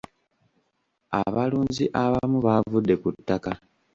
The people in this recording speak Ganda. Abalunzi abamu baavudde ku ttaka.